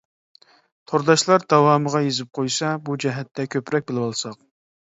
تورداشلار داۋامىغا يېزىپ قويسا، بۇ جەھەتتە كۆپرەك بىلىۋالساق.